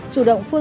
chủ động phương án